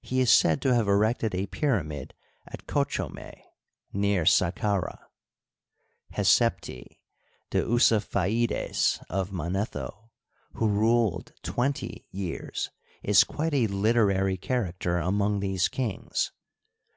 He is said to have erected a pyramid at Kochome, near Saq qarah. Hesepti, the Usaphaides of Manetho, who ruled twenty years, is quite a literary character among these kings.